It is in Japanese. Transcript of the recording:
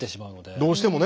どうしてもね。